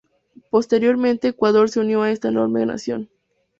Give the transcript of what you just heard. Posteriormente Ecuador se unió a esta enorme nación.